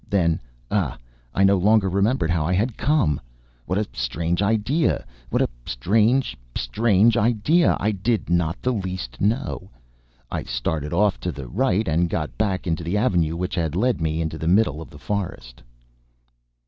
Then, ah! I no longer remembered how I had come! What a strange idea! What a strange, strange idea! I did not the least know. I started off to the right, and got back into the avenue which had led me into the middle of the forest.